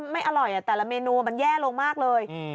ไม่อร่อยแต่ละเมนูมันแย่ลงมากเลย